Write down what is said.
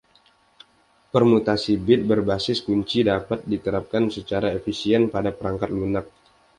Permutasi bit berbasis kunci dapat diterapkan secara efisien pada perangkat lunak.